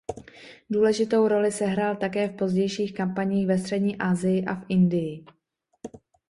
Důležitou roli sehrál také v pozdějších kampaních ve střední Asii a v Indii.